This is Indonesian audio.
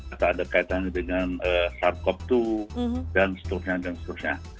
atau ada kaitannya dengan sars cop dua dan seterusnya dan seterusnya